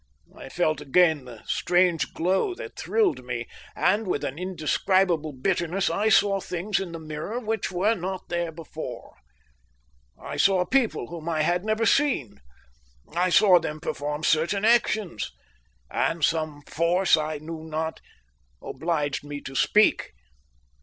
I felt again the strange glow that thrilled me, and with an indescribable bitterness I saw things in the mirror which were not there before. I saw people whom I had never seen. I saw them perform certain actions. And some force I knew not, obliged me to speak.